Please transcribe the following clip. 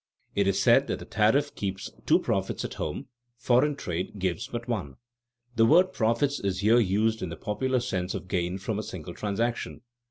It is said that the tariff keeps "two profits" at home, foreign trade gives but one. The word "profits" is here used in the popular sense of gain from a single transaction.